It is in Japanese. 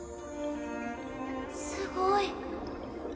すごい！